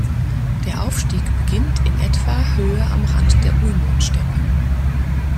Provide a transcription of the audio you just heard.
Der Aufstieg beginnt in etwa Höhe am Rand der Uimon-Steppe.